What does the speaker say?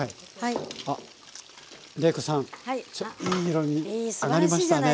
いい色に揚がりましたね。